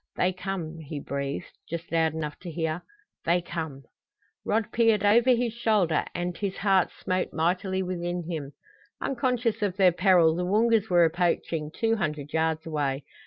"They come," he breathed, just loud enough to hear. "They come!" Rod peered over his shoulder, and his heart smote mightily within him. Unconscious of their peril the Woongas were approaching two hundred yards away.